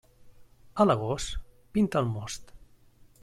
A l'agost, pinta el most.